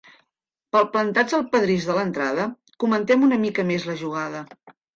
Palplantats al pedrís de l'entrada comentem una mica més la jugada.